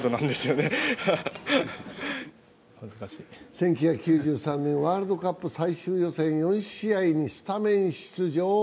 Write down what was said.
１９９３年ワールドカップ最終予選４試合にスタメン出場。